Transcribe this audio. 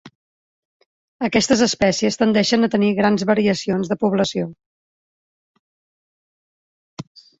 Aquestes espècies tendeixen a tenir grans variacions de població.